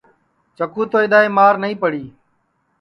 چکُو تو اِدؔائے مار نائی پڑی